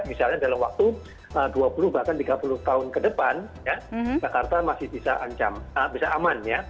misalnya dalam waktu dua puluh bahkan tiga puluh tahun ke depan jakarta masih bisa aman ya